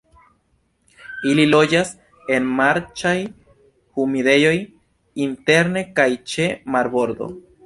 Ili loĝas en marĉaj humidejoj interne kaj ĉe marbordo.